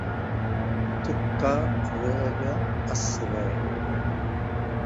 Since that time the face of Galena has changed a great deal.